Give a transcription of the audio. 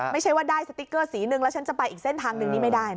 ไม่ใช่ว่าได้สติ๊กเกอร์สีนึงแล้วฉันจะไปอีกเส้นทางหนึ่งนี่ไม่ได้